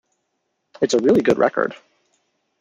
It's a really good record.